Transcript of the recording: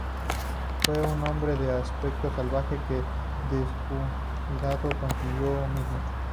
Fue un hombre de aspecto salvaje, muy descuidado consigo mismo.